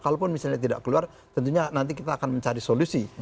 kalaupun misalnya tidak keluar tentunya nanti kita akan mencari solusi